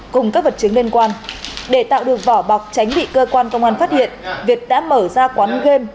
cùng các vật chứng liên quan để tạo được vỏ bọc tránh bị cơ quan công an phát hiện việt đã mở ra quán game